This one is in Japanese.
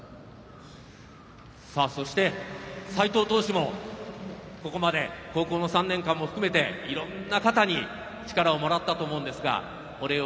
そして斎藤投手もここまで高校の３年間も含めていろんな方に力をもらったと思うんですがお礼を言いたい方はどなたですか？